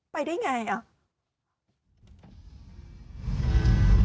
ไปได้ไงอ่ะ